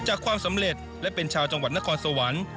ความสำเร็จและเป็นชาวจังหวัดนครสวรรค์